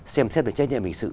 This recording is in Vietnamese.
xem xét về trách nhiệm bình sự